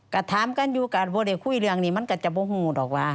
ก็ถามกันอยู่ก็พอได้คุยเรื่องนี้มันก็จะบูหูดออกว่า